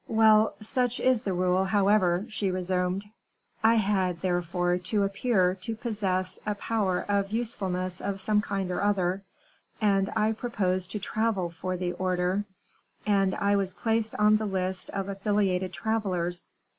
"Well, such is the rule, however," she resumed. "I had, therefore, to appear to possess a power of usefulness of some kind or other, and I proposed to travel for the order, and I was placed on the list of affiliated travelers.